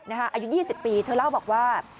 อายุ๒๐ปีเธอเล่าบอกว่า